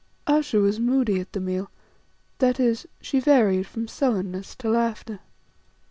Ayesha was moody at the meal, that is, she varied from sullenness to laughter.